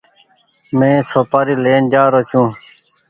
مينٚ سوپآري لين جآرو ڇوٚنٚ